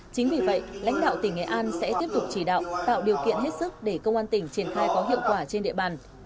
chính vì vậy lãnh đạo tỉnh nghệ an sẽ tiếp tục chỉ đạo tạo điều kiện hết sức để công an tỉnh triển khai có hiệu quả trên địa bàn